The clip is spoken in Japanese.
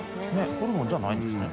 ホルモンじゃないんですね。